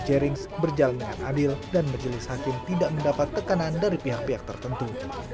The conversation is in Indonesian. jaring berjalin dengan adil dan menjelis hakim tidak mendapat tekanan dari pihak pihak tertentu